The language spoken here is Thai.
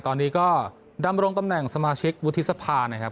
ตอนนี้ก็ดำรงตำแหน่งสมาชิกวุฒิสภานะครับ